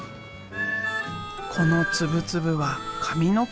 この粒々は髪の毛。